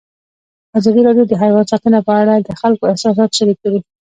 ازادي راډیو د حیوان ساتنه په اړه د خلکو احساسات شریک کړي.